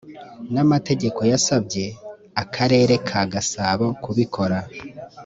n amategeko yasabye akarere ka gasabo kubikora